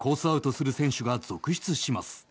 アウトとする選手が続出します。